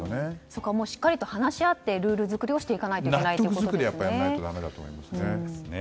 そこをしっかり話し合ってルール作りをしていかないといけないということですね。